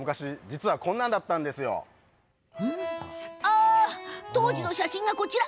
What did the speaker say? あ、当時の写真がこちら。